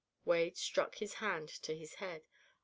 Wade struck his hand to his head.